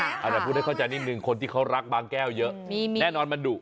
แต่พูดให้เข้าใจนิดนึงคนที่เขารักบางแก้วเยอะแน่นอนมันดุ